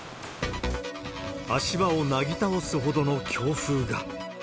足場をなぎ倒すほどの強風が。